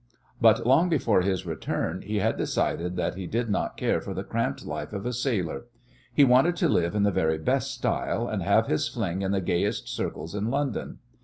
But long before his return he had decided that he did not care for the cramped life of a sailor. He wanted to live in the very best style, and have his fling in the gayest circles in London.